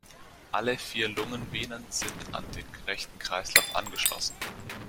Alle vier Lungenvenen sind an den rechten Kreislauf angeschlossen.